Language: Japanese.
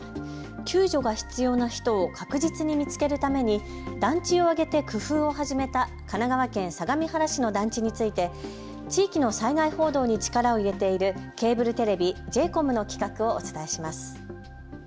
救助が必要な人を確実に見つけるために団地を挙げて工夫を始めた神奈川県相模原市の団地について地域の災害報道に力を入れているケーブルテレビ、Ｊ：ＣＯＭの企画をお伝えします。